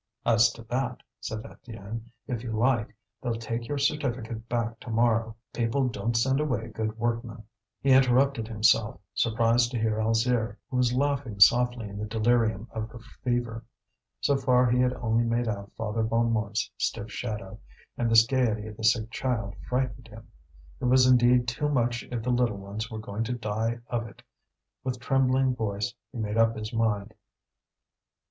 "As to that," said Étienne, "if you like, they'll take your certificate back to morrow. People don't send away good workmen." He interrupted himself, surprised to hear Alzire, who was laughing softly in the delirium of her fever. So far he had only made out Father Bonnemort's stiff shadow, and this gaiety of the sick child frightened him. It was indeed too much if the little ones were going to die of it. With trembling voice he made up his mind.